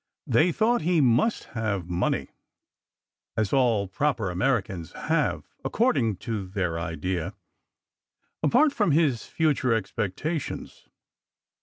They thought he must have money (as all proper Americans have, according to their idea) apart from his future expecta tions.